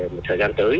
một thời gian tới